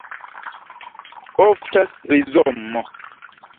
Oftas rizomo.